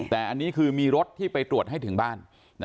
แต่อันนี้คือมีรถที่ไปตรวจให้ถึงบ้าน